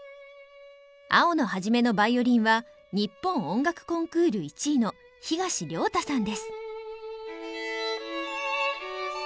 青野一のヴァイオリンは日本音楽コンクール１位の東亮汰さんです。